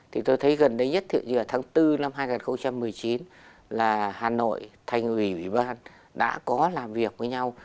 thì tôi thấy gần đây nhất ví dụ như là tháng bốn năm hai nghìn một mươi chín là hà nội thành ủy ủy ban đã có làm việc với nhau